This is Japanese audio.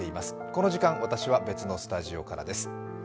この時間、私は別のスタジオからです。